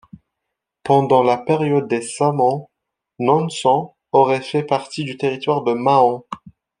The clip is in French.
Pendant la période des Samhan, Nonsan aurait fait partie du territoire de Mahan.